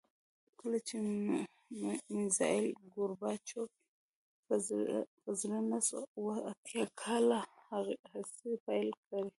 کله چې میخایل ګورباچوف په زر نه سوه اووه اتیا کال هڅې پیل کړې